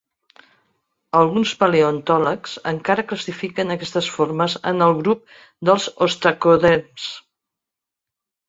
Alguns paleontòlegs encara classifiquen aquestes formes en el grup dels ostracoderms.